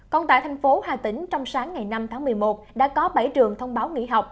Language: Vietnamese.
còn tại thành phố hà tĩnh trong sáng ngày năm tháng một mươi một đã có bảy trường thông báo nghỉ học